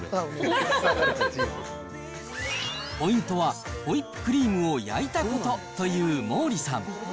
ポイントは、ホイップクリームを焼いたことという毛利さん。